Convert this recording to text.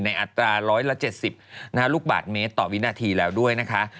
ในอัตราร้อยละ๗๐ลูกบาทเมตรต่อวินาทีแล้วด้วย